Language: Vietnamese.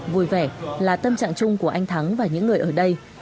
vui vẻ là tâm trạng chung của anh thắng và những người ở đây